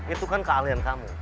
itu kan kealian kamu